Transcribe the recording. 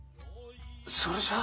それじゃあ。